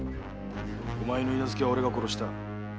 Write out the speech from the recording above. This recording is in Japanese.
お前の許婚は俺が殺した。